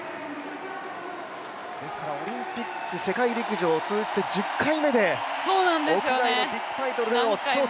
オリンピック、世界陸上通じて１０回目で屋外のビッグタイトルへの頂点。